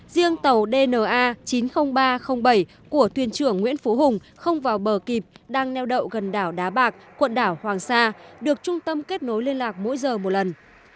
riêng tàu dna chín mươi nghìn ba trăm linh bảy của thuyền trưởng nguyễn phú hùng không vào bờ kịp đang neo đậu gần đảo đá bạc quận đảo hoàng sa được trung tâm kết nối liên lạc mỗi giờ một lần